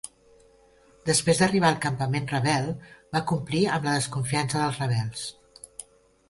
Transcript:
Després d'arribar al campament rebel, va complir amb la desconfiança dels rebels.